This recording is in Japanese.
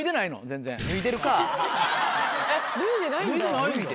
脱いでないんだ。